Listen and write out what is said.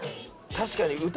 確かに。